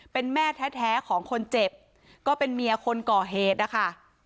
เป็นแม่แท้ของคนเจ็บก็เป็นเมียคนก่อเหตุนะคะ